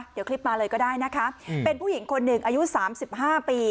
เดี๋ยวคลิปมาเลยก็ได้นะคะเป็นผู้หญิงคนหนึ่งอายุ๓๕ปี